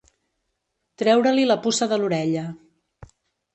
Treure-li la puça de l'orella.